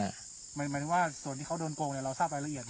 หมายถึงว่าส่วนที่เขาโดนโปรงเนี่ยเราทราบอะไรละเอียด